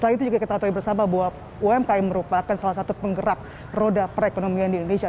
selain itu juga kita tahu bersama bahwa umkm merupakan salah satu penggerak roda perekonomian di indonesia